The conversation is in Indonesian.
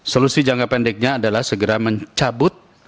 solusi jangka pendeknya adalah segera mencabut